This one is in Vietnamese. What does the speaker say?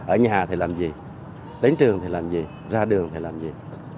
ở nhà thì làm gì đến trường thì làm gì ra đường phải làm gì